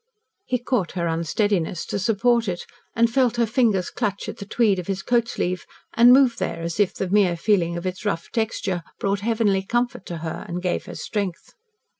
He caught her unsteadiness to support it, and felt her fingers clutch at the tweed of his coatsleeve and move there as if the mere feeling of its rough texture brought heavenly comfort to her and gave her strength.